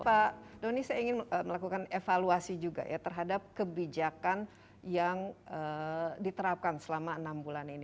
pak doni saya ingin melakukan evaluasi juga ya terhadap kebijakan yang diterapkan selama enam bulan ini